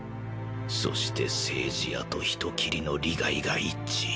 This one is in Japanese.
そして政治屋と人斬りの利害が一致。